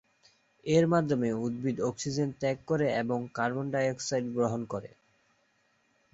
এর মাধ্যমে উদ্ভিদ অক্সিজেন ত্যাগ করে এবং কার্বন-ডাই-অক্সাইড গ্রহণ করে।